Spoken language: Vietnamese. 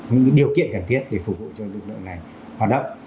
những điều kiện cần thiết để phục vụ cho lực lượng này hoạt động